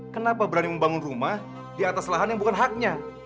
kenapa berani membangun rumah di atas lahan yang bukan haknya